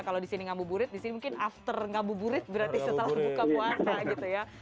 kalau di sini ngamu burit di sini mungkin after ngamu burit berarti setelah buka puasa gitu ya